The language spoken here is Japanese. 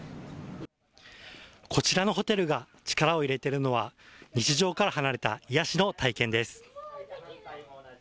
こちらのホテルが力を入れているのは日常から離れた癒やしの体験です。